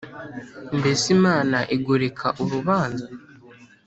mbese imana igoreka urubanza’